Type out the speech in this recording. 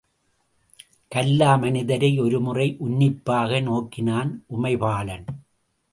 கல்லா மனிதரை ஒரு முறை உன்னிப்பாக நோக்கினான் உமைபாலன்.